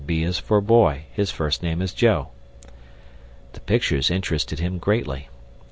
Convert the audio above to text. B is for Boy, His first name is Joe. The pictures interested him greatly.